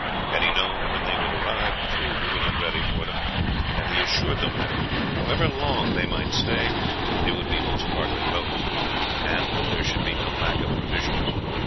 Had he known when they would arrive, food would have been ready for them; and he assured them that, however long they might stay, they would be most heartily welcome, and that there should be no lack of provisions.